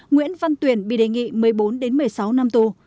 nguyễn văn tuyển bị đề nghị một mươi bốn một mươi sáu năm tù